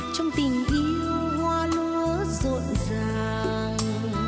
trong tình yêu hoa lúa rộn ràng